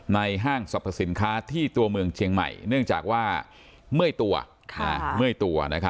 ห้างสรรพสินค้าที่ตัวเมืองเชียงใหม่เนื่องจากว่าเมื่อยตัวเมื่อยตัว